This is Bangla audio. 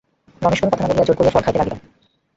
রমেশ কোনো কথা না বলিয়া জোর করিয়া ফল খাইতে লাগিল।